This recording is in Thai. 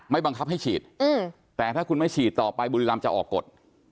บังคับให้ฉีดแต่ถ้าคุณไม่ฉีดต่อไปบุรีรำจะออกกฎ